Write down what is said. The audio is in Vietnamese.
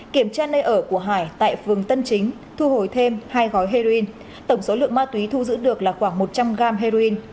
kiểm tra nơi ở của hải tại phường tân chính thu hồi thêm hai gói heroin tổng số lượng ma túy thu giữ được là khoảng một trăm linh gram heroin